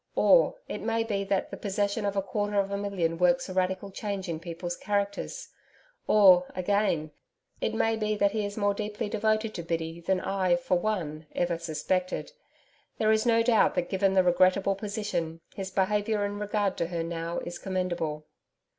Or, it may be that the possession of a quarter of a million works a radical change in people's characters. Or, again, it may be that he is more deeply devoted to Biddy than I, for one, ever suspected. There is no doubt that given the regrettable position, his behaviour in regard to her now is commendable.